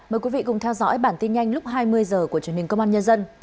mời quý vị cùng theo dõi bản tin nhanh lúc hai mươi h của truyền hình công an nhân dân